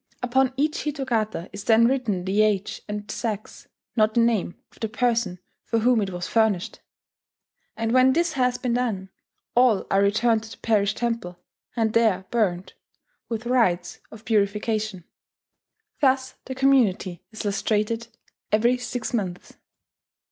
Upon each hitogata is then written the age and sex (not the name) of the person for whom it was furnished; and when this has been done, all are returned to the parish temple, and there burnt, with rites of purification. Thus the community is "lustrated" every six Months.